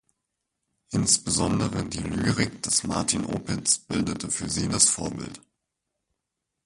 Insbesondere die Lyrik des Martin Opitz bildete für sie das Vorbild.